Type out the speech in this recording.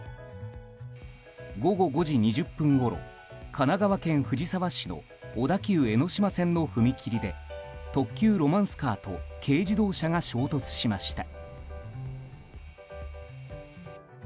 午後５時２０分ごろ神奈川県藤沢市の小田急江ノ島線の踏切で特急ロマンスカーと軽自動車が衝突しました。